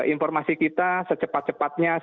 informasi kita secepat cepatnya